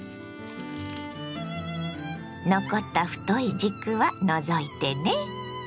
残った太い軸は除いてね。